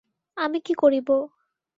আমি কি করিব?